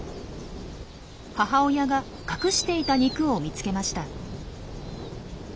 母親が隠していた肉を見つけました。